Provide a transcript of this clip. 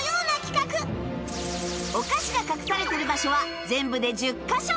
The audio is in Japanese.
お菓子が隠されてる場所は全部で１０カ所